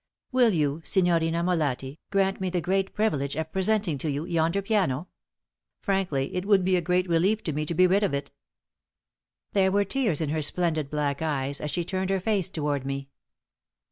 Will you, Signorina Molatti, grant me the great privilege of presenting to you yonder piano? Frankly, it would be a great relief to me to be rid of it." There were tears in her splendid black eyes as she turned her face toward me.